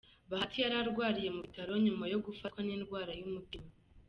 Bahati yari arwariye mu bitaro nyuma yo gufatwa n'indwara y'umutima.